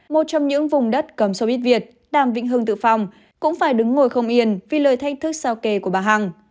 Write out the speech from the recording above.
một trong những vùng đất cầm sâu ít việt đàm vĩnh hưng tự phong cũng phải đứng ngồi không yên vì lời thanh thức sao kề của bà hằng